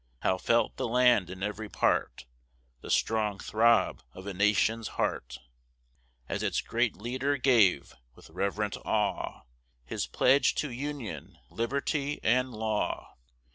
How felt the land in every part The strong throb of a nation's heart, As its great leader gave, with reverent awe, His pledge to Union, Liberty, and Law!